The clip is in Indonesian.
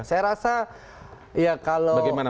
saya rasa ya kalau lebih baik